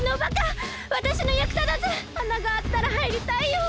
あながあったらはいりたいよ！